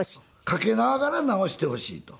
掛けながら直してほしいと。